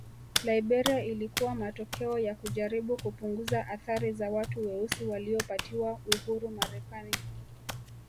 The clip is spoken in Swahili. Liberia ilikuwa matokeo ya kujaribu kupunguza athari za watu weusi waliopatiwa uhuru Marekani